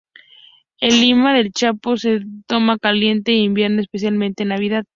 En Lima, el champús se toma caliente y en invierno, especialmente en Navidad.